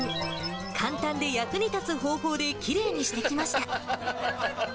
簡単で役に立つ方法できれいにしてきました。